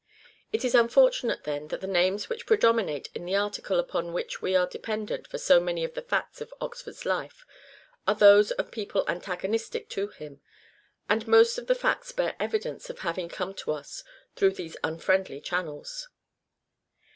It is unfortunate, then, that the names which pre dominate in the article upon which we are dependent for so many of the facts of Oxford's life are those of people antagonistic to him, and most of the facts bear evidence of having come to us through these unfriendly channels.